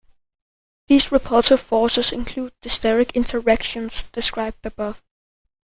These repulsive forces include the steric interactions described above.